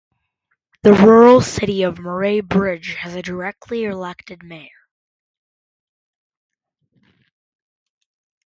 The Rural City of Murray Bridge has a directly-elected mayor.